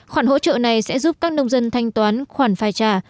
khoản hỗ trợ này sẽ giúp các nông dân thanh toán khoản phải trả